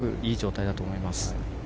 すごくいい状態だと思います。